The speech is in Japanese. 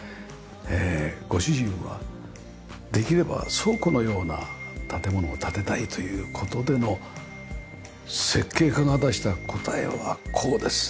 ご主人はできれば倉庫のような建物を建てたいという事での設計家が出した答えはこうです。